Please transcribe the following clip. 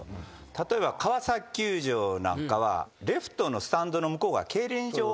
例えば川崎球場なんかはレフトのスタンドの向こうが競輪場だったじゃないですか。